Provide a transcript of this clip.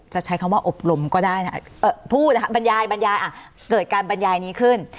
ใช้คำว่าอบรมก็ได้นะพูดนะคะบรรยายบรรยายเกิดการบรรยายนี้ขึ้น